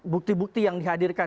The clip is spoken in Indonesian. bukti bukti yang dihadirkan